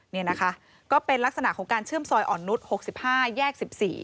นี่นะคะก็เป็นลักษณะของการเชื่อมซอยอ่อนนุษย์๖๕แยก๑๔